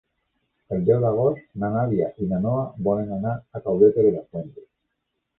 El deu d'agost na Nàdia i na Noa volen anar a Caudete de las Fuentes.